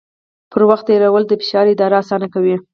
بهر وخت تېرول د فشار اداره اسانه کوي.